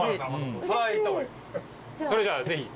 それじゃあぜひ。